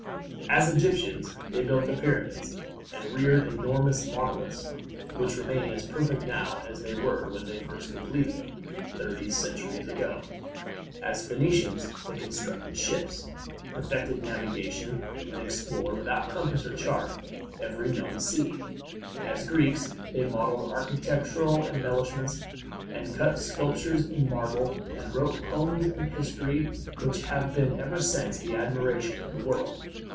As Egyptians, they built the Pyramids, and reared enormous monoliths, which remain as perfect now as they were when first completed, thirty centuries ago. As Ph[oe]nicians, they constructed ships, perfected navigation, and explored, without compass or chart, every known sea. As Greeks, they modeled architectural embellishments, and cut sculptures in marble, and wrote poems and history, which have been ever since the admiration of the world.